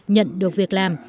nhận được việc làm